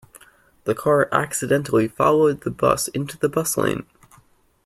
The car accidentally followed the bus into the bus lane.